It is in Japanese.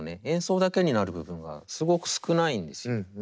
演奏だけになる部分がすごく少ないんです。